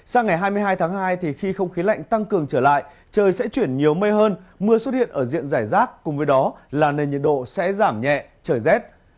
sang ngày hai mươi hai tháng hai khi không khí lạnh tăng cường trở lại trời sẽ chuyển nhiều mây hơn mưa xuất hiện ở diện giải rác cùng với đó là nền nhiệt độ sẽ giảm nhẹ trời rét